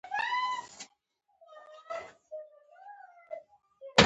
انسټاګرام د ښکلو عکسونو شریکولو پلیټفارم دی.